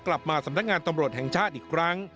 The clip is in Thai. กลับมาสำนักงานตำรวจแห่งชาติอีกครั้ง